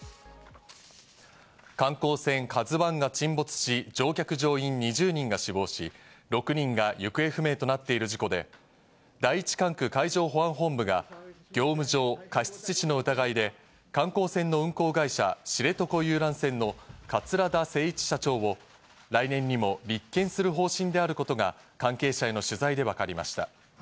観光船「ＫＡＺＵ１」が沈没し、乗客乗員２０人が死亡し、６人が行方不明となっている事故で、第一管区海上保安本部が業務上過失致死の疑いで観光船の運航会社・知床遊覧船の桂田精一社長を、来年にも立件する方針であることが関係者への取材でわかりました。